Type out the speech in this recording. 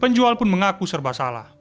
penjual pun mengaku serba salah